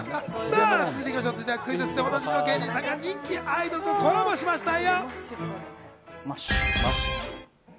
続いてはクイズッスでおなじみの芸人さんが人気アイドルとコラボした話題だよ。